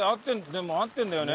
でも合ってるんだよね。